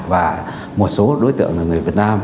và một số đối tượng người việt nam